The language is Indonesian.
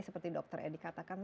seperti dokter edi katakan